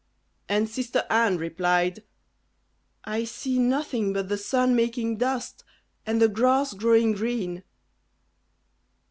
And sister Anne replied, "I see nothing but the sun making dust, and the grass growing green."